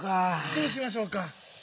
どうしましょうか？